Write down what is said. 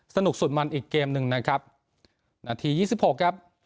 สนุกสุดมันอีกเกมหนึ่งนะครับนาทียี่สิบหกครับ